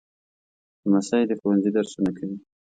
لمسی د ښوونځي درسونه کوي.